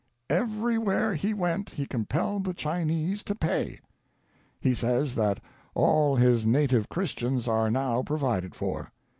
Everywhere he went he com pelled the Chinese to pay. He says that all his native Christians are now provided for.